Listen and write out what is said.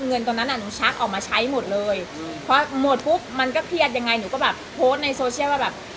เงินตรงนั้นอ่ะหนูชักออกมาใช้หมดเลยพอหมดปุ๊บมันก็เครียดยังไงหนูก็แบบโพสต์ในโซเชียลว่าแบบ